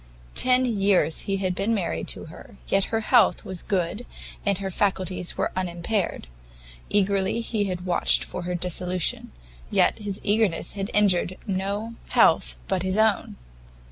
Ten years he had been married to her, yet her health was good, and her faculties were unimpaired; eagerly he had watched for her dissolution, yet his eagerness had injured no health but his own!